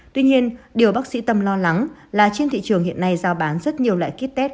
tuy nhiên điều bác sĩ tâm lo lắng là trên thị trường hiện nay giao bán rất nhiều loại kit test